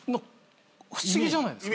不思議じゃないですか。